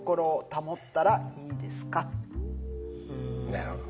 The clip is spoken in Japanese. なるほど。